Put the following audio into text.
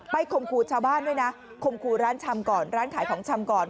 ข่มขู่ชาวบ้านด้วยนะข่มขู่ร้านชำก่อนร้านขายของชำก่อน